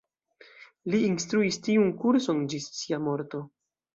Li instruis tiun kurson ĝis sia morto.